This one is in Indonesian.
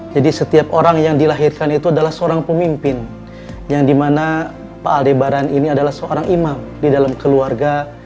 jadi setiap orang yang dilahirkan itu adalah seorang pemimpin yang dimana pak aldebaran ini adalah seorang imam di dalam keluarga